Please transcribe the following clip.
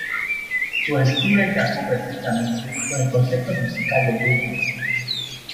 Su estilo encajó perfectamente con el concepto musical del grupo.